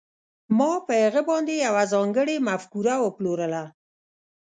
ما په هغه باندې یوه ځانګړې مفکوره وپلورله